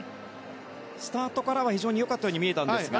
スタートからは非常に良かったように見えたんですが。